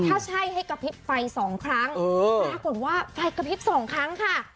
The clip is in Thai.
ถ้าใช่ให้กระพริบไฟสองครั้งปรากฏว่าไฟกระพริบสองครั้งค่ะ